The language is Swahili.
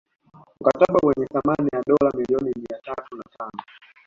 Mkataba wenye thamani ya dola milioni mia tatu na tano